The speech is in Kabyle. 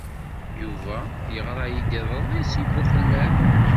Yuba yeɣra-iyi-d iḍelli seg Buqellal.